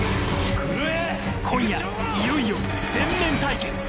今夜いよいよ全面対決